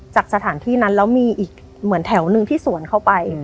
จากสถานที่นั้นแล้วมีอีกเหมือนแถวหนึ่งที่สวนเข้าไป